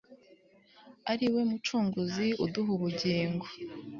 ariwe mucunguzi uduha ubugingo